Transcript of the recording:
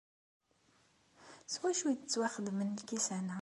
S wacu i d-ttwaxedmen lkkisan-a?